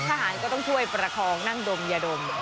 ทหารก็ต้องช่วยประคองนั่งดมยาดม